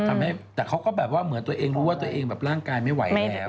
แต่เขาก็แบบว่าเหมือนตัวเองรู้ว่าตัวเองแบบร่างกายไม่ไหวแล้ว